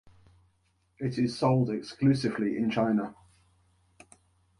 It is sold exclusively in China.